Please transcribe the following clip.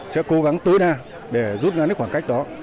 sẽ cố gắng tối đa để rút ra được khoảng cách đó